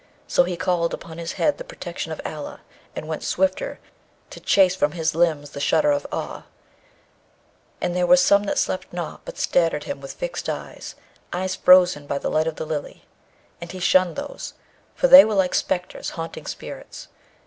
So he called upon his head the protection of Allah, and went swifter, to chase from his limbs the shudder of awe; and there were some that slept not, but stared at him with fixed eyes, eyes frozen by the light of the Lily, and he shunned those, for they were like spectres, haunting spirits.